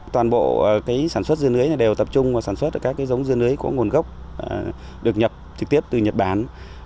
toàn bộ sản xuất dưa lưới đều tập trung vào sản xuất các giống dưa lưới có nguồn gốc được nhập trực tiếp từ nhật bản